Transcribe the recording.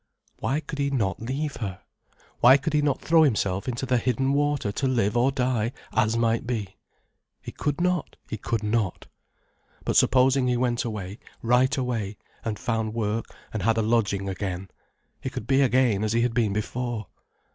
Why could he not leave her? Why could he not throw himself into the hidden water to live or die, as might be? He could not, he could not. But supposing he went away, right away, and found work, and had a lodging again. He could be again as he had been before.